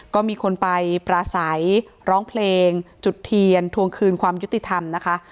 ก็มีคนไปปราศัยร้องเพลงจุดเทียนทวงคืนความยุติธรรมนะคะ